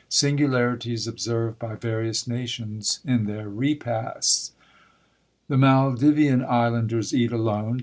"] SINGULARITIES OBSERVED BY VARIOUS NATIONS IN THEIR REPASTS. The Maldivian islanders eat alone.